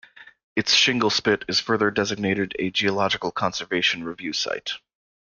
Its shingle spit is further designated a Geological Conservation Review site.